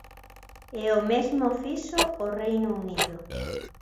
E o mesmo fixo o Reino Unido.